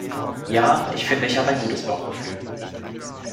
Ja, ich finde ich habe ein gutes Bauchgefühl.